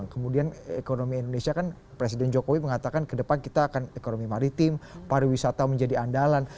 kemudian ekonomi indonesia kan presiden jokowi mengatakan ke depan kita akan ekonomi maritim pariwisata menjadi andalan